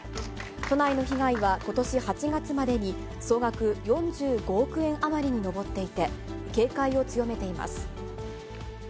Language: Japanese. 都内の被害はことし８月までに総額４５億円余りに上っていて、警戒を強めています。